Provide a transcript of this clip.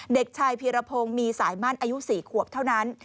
เด็กชายพีรพงศ์มีสายมั่นอายุ๔ขวบเท่านั้น